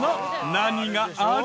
何がある？